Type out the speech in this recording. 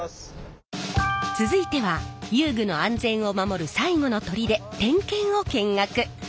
続いては遊具の安全を守る最後のとりで点検を見学。